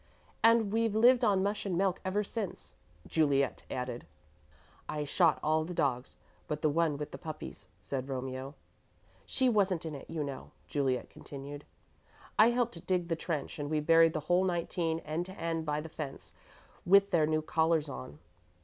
"And we've lived on mush and milk ever since," Juliet added. "I shot all the dogs but the one with the puppies," said Romeo. "She wasn't in it, you know," Juliet continued. "I helped dig the trench and we buried the whole nineteen end to end by the fence, with their new collars on."